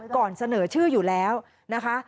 ก่อนเสนอชื่ออยู่แล้วนะคะ